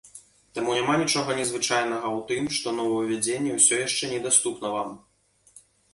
Таму няма нічога незвычайнага ў тым, што новаўвядзенне ўсё яшчэ недаступна вам.